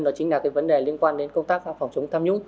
đó chính là cái vấn đề liên quan đến công tác phòng chống tham nhũng